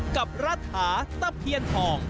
กับรัฐาตะเพียนทอง